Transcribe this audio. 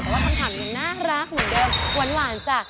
แต่ว่าคำถามยังน่ารักเหมือนเดิมหวานจ้ะ